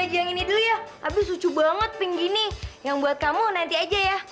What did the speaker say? aku coba ini dulu ya abis lucu banget pinggini yang buat kamu nanti aja ya